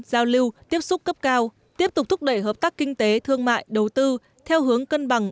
giao lưu tiếp xúc cấp cao tiếp tục thúc đẩy hợp tác kinh tế thương mại đầu tư theo hướng cân bằng